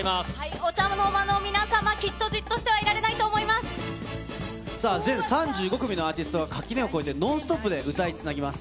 お茶の間の皆様、きっとじっさあ、全３５組のアーティストが垣根を越えてノンストップで歌いつなぎます。